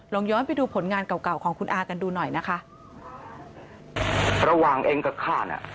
ลองย้อนไปดูผลงานเก่าของคุณอากันดูหน่อยนะคะ